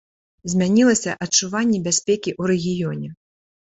Змянілася адчуванне бяспекі ў рэгіёне.